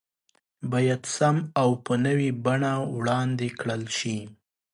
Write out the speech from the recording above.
بايد سم او په نوي بڼه وړاندې کړل شي